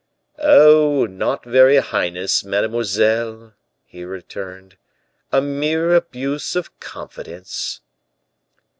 "Oh! not very heinous, mademoiselle," he returned, "a mere abuse of confidence."